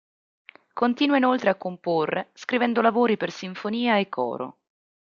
Continua inoltre a comporre, scrivendo lavori per sinfonia e coro.